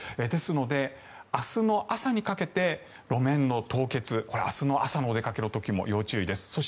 ですので、明日の朝にかけて路面の凍結明日の朝のお出かけの時も要注意です。